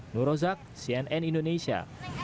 nur ozad cnn indonesia